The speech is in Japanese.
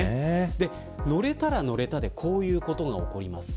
乗れたら乗れたでこういうことが起こります。